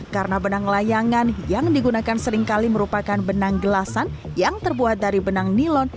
karena benang layangan yang digunakan seringkali merupakan benang gelasan yang terbuat dari benang nilon